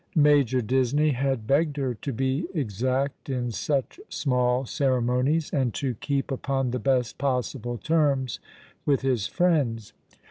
Major Disney had begged her to be exact in such small ceremonies, and to keep upon the best possible terms with his friends.